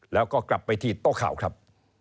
แล้วก็กลับไปที่โต๊ะข่าวครับ